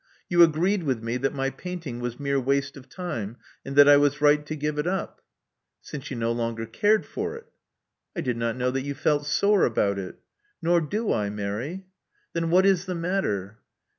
You agreed with me that my painting was mere waste of time, and that I was right to give it up." Since you no longer cared for it." I did not know that you felt sore about it." "Nor do I, Mary." Then what is the matter?"